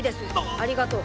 ありがとう。